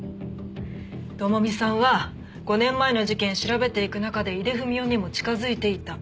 朋美さんは５年前の事件を調べていく中で井出文雄にも近づいていた。